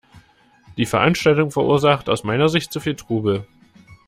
Die Veranstaltung verursacht aus meiner Sicht zu viel Trubel.